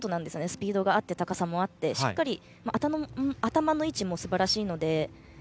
スピードもあって、高さもあって頭の位置もすばらしいので。